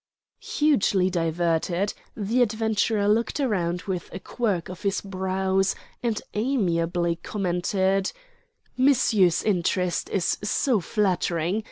Hugely diverted, the adventurer looked round with a quirk of his brows, and amiably commented: "Monsieur's interest is so flattering!